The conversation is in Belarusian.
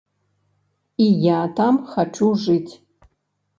І я там хачу жыць.